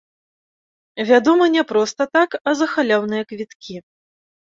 Вядома, не проста так, а за халяўныя квіткі.